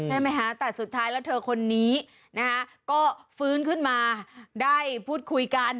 ใช่ไหมคะแต่สุดท้ายแล้วเธอคนนี้นะคะก็ฟื้นขึ้นมาได้พูดคุยกัน